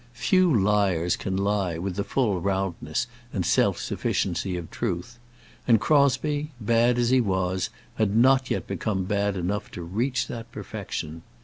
Few liars can lie with the full roundness and self sufficiency of truth; and Crosbie, bad as he was, had not yet become bad enough to reach that perfection.